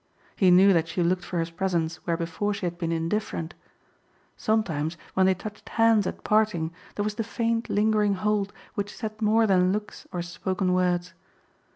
He knew that she looked for his presence where before she had been indifferent. Sometimes when they touched hands at parting there was the faint, lingering hold which said more than looks or spoken words.